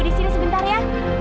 di sini sebentar ya